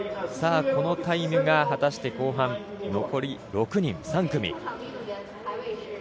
このタイムが果たして後半残り６人、３組。